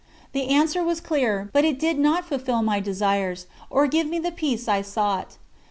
The answer was clear, but it did not fulfill my desires, or give to me the peace I sought.